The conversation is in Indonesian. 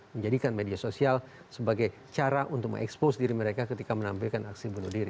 menjadikan media sosial sebagai cara untuk mengekspos diri mereka ketika menampilkan aksi bunuh diri